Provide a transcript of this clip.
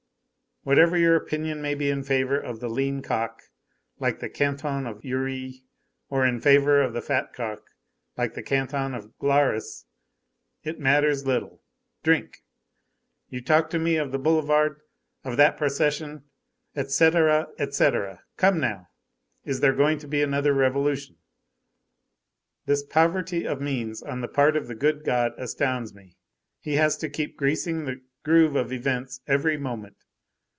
Whatever your opinion may be in favor of the lean cock, like the Canton of Uri, or in favor of the fat cock, like the Canton of Glaris, it matters little, drink. You talk to me of the boulevard, of that procession, et cætera, et cætera. Come now, is there going to be another revolution? This poverty of means on the part of the good God astounds me. He has to keep greasing the groove of events every moment.